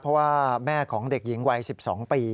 เพราะว่าแม่ของเด็กหญิงวัย๑๒ปี